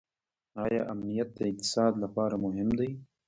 آیا امنیت د اقتصاد لپاره مهم دی؟